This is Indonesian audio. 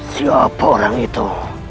siapa orang itu